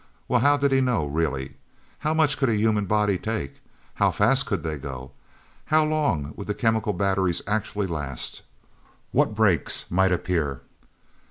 Well, how did he know, really? How much could a human body take? How fast could they go? How long would the chemical batteries actually last? What breaks might appear?